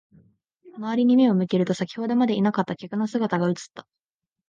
周りに目を向けると、先ほどまでいなかった客の姿が映った。